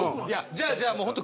じゃあじゃあもう本当